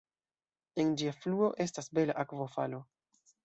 En ĝia fluo estas bela akvofalo.